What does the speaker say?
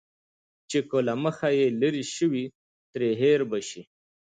چې که له مخه يې لرې شوې، ترې هېر به شې.